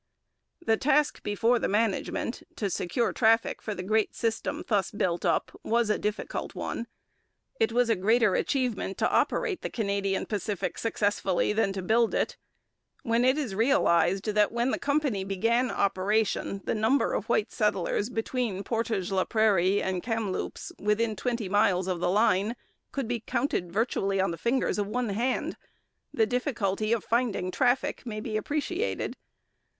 The task before the management to secure traffic for the great system thus built up was a difficult one. It was a greater achievement to operate the Canadian Pacific successfully than to build it. When it is realized that when the company began operation the number of white settlers between Portage la Prairie and Kamloops, within twenty miles of the line, could be counted virtually on the fingers of one hand, the difficulty of finding traffic may be appreciated.